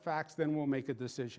mari kita cari kemana kita berada